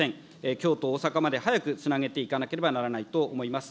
京都、大阪まで早くつなげていかなければならないと思います。